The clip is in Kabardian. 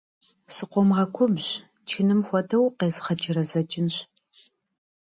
Скъомгъэгубжь, чыным хуэдэу укъезгъэджэрэзэкӏынщ!